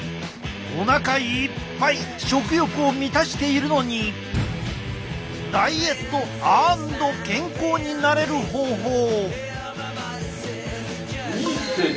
おなかいっぱい食欲を満たしているのにダイエット＆健康になれる方法を！